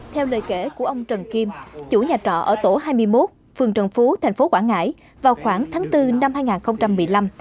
theo lời kể của ông trần kim chủ nhà trọ ở tổ hai mươi một phường trần phú tp quảng ngãi vào khoảng tháng bốn năm hai nghìn một mươi năm